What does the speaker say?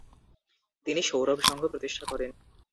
তিনি ‘সৌরভ সংঘ’ প্রতিষ্ঠা করেন।